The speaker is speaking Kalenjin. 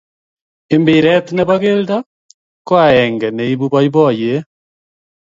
Mpiret ne bo kelto ko akenge ne ibuuu boiboyee.